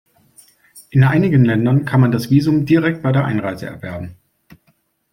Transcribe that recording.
In einigen Ländern kann man das Visum direkt bei der Einreise erwerben.